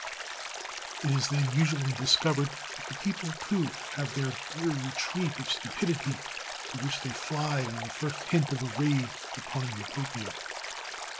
It is then usually discovered that the people, too, have their dear retreat of stupidity to which they fly on the first hint of a raid upon Utopia.